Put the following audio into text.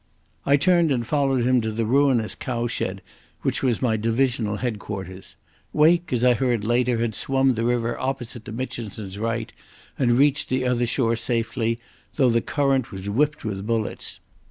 I turned and followed him to the ruinous cowshed which was my divisional headquarters. Wake, as I heard later, had swum the river opposite to Mitchinson's right, and reached the other shore safely, though the current was whipped with bullets.